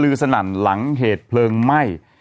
สนั่นหลังเหตุเพลิงไหม้